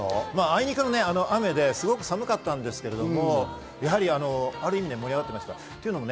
あいにくの雨で、すごく寒かったんですけども、ある意味盛り上がってました。